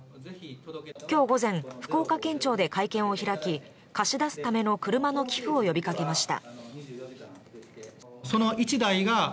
今日午前、福岡県庁で会見を開き貸し出すための車の寄付を呼びかけました。